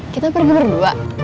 kita pergi berdua